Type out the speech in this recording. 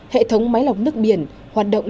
hệ thống máy lọc nước biển hoạt động